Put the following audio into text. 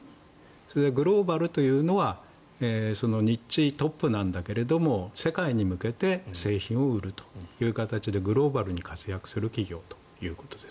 それでグローバルというのはニッチトップなんだけれども世界に向けて製品を売るという形でグローバルに活躍する企業ということです。